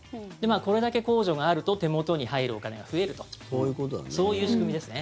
これだけ控除があると手元に入るお金が増えるとそういう仕組みですね。